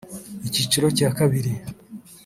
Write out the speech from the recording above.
Icyiciro cya Kabiri